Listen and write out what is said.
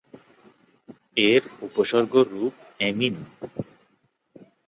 এর উপসর্গ রূপ "অ্যামিনো-"।